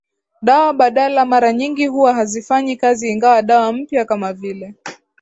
dawa badala mara nyingi huwa hazifanyi kazi ingawa dawa mpya kama vile